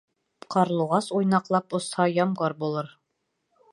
Ҡарлуғас уйнаҡлап осһа, ямғыр булыр.